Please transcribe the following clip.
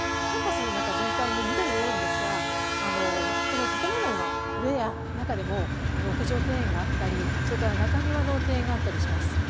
キャンパスの中全体に緑が多いんですがこの建物の上や中でも屋上庭園があったりそれから中庭の庭園があったりします。